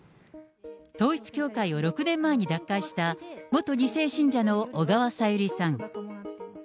統一教会を６年前に脱会した、元２世信者の小川さゆりさん。